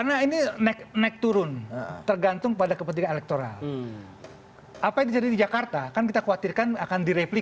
anda bisa nilai sendiri